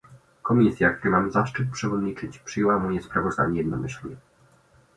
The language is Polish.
Komisja, której mam zaszczyt przewodniczyć, przyjęła moje sprawozdanie jednomyślnie